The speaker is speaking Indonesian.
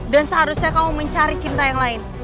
dan seharusnya kamu mencari cinta yang lain